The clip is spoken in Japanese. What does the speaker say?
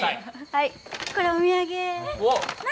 はいこれお土産え何？